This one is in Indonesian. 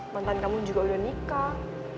mantan kamu juga udah nikah